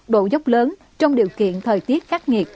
độ dốc lớn trong điều kiện thời tiết khắc nghiệt